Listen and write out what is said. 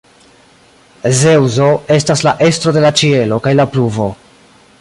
Zeŭso estas la estro de la ĉielo kaj la pluvo.